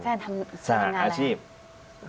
แฟนทำที่ธนาคารยังไงสหรัตน์อาชีพสหรัฐอาชีพ